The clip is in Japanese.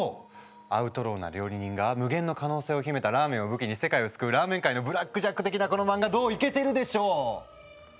アウトローな料理人が無限の可能性を秘めたラーメンを武器に世界を救うラーメン界の「ブラック・ジャック」的なこの漫画どうイケてるでしょう？